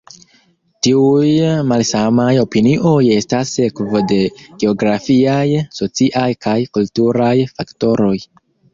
Tiuj malsamaj opinioj estas sekvo de geografiaj, sociaj kaj kulturaj faktoroj.